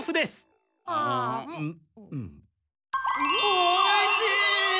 おいしい！